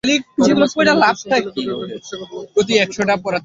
তারই মাঝখানে নিজের সতীলক্ষ্মী-রূপের প্রতিষ্ঠা– কত ভক্তি, কত পূজা, কত সেবা!